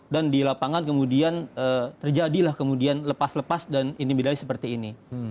dan di lapangan kemudian terjadilah kemudian lepas lepas dan ini bila bila seperti ini